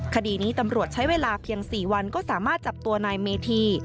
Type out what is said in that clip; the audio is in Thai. คดีนี้ตำรวจใช้เวลาเพียง๔วันก็สามารถจับตัวนายเมธี